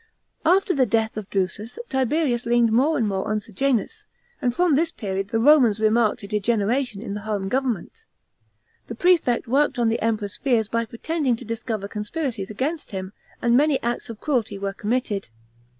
§ 14. After the death of Drusus, Tiberius leaned more and more on Sejanus, and from this period the Eomans remarked a de generation in the home government. The prefect worked on the 198 THE PRITOIPATE OF TIBERIUS. CHAP. xm. Emperor's fears by pretending to discover conspiracies against him, and many acts of cruelty were committed.